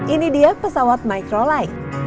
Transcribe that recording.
ini dia pesawat microlight